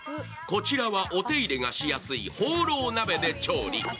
こちらはお手入れがしやすいほうろう鍋で調理。